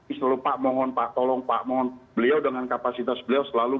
insya allah pak mohon pak tolong pak mohon beliau dengan kapasitas beliau selalu